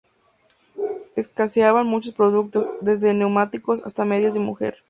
Escaseaban muchos productos: desde neumáticos hasta medias de mujer.